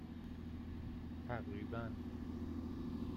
تقریباً